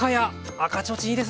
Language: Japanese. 赤ちょうちんいいですね。